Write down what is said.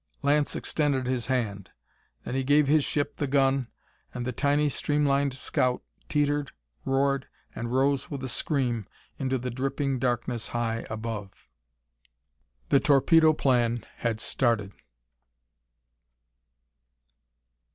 Lance extended his hand. Then he gave his ship the gun, and the tiny, streamlined scout teetered, roared, and rose with a scream into the dripping darkness high above. The Torpedo Plan had started.